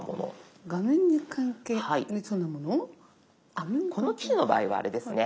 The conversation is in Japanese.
あっこの機種の場合はあれですね